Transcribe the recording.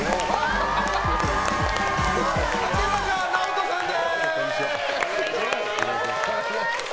竹中直人さんです！